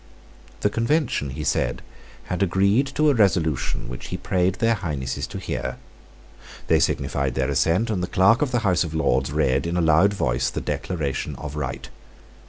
The Convention, he said, had agreed to a resolution which he prayed Their Highnesses to hear. They signified their assent; and the clerk of the House of Lords read, in a loud voice, the Declaration of Right.